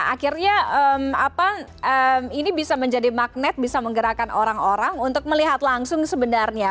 akhirnya ini bisa menjadi magnet bisa menggerakkan orang orang untuk melihat langsung sebenarnya